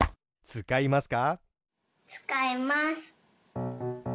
つかいます。